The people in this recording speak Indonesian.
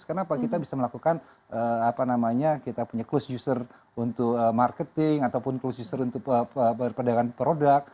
karena kita bisa melakukan apa namanya kita punya close user untuk marketing ataupun close user untuk perbedaan produk